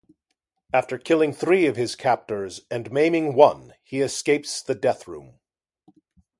After killing three of his captors and maiming one, he escapes the deathroom.